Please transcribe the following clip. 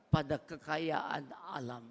pada kekayaan alam